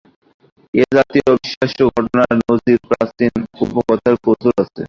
এ-জাতীয় অবিশ্বাস্য ঘটনার নজির প্রাচীন উপকথায় প্রচুর আছে।